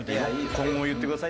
今後も言ってください。